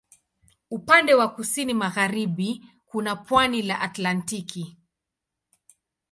Upande wa kusini magharibi kuna pwani la Atlantiki.